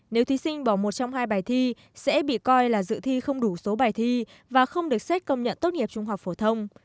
nếu thí sinh bỏ một trong hai bài thi sẽ bị coi là dự thi không đủ số bài thi và không được xét công nhận tốt nghiệp trung học phổ thông